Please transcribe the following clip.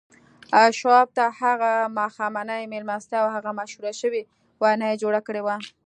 شواب ته هغه ماښامنۍ مېلمستیا او هغه مشهوره شوې وينا يې جوړه کړې وه.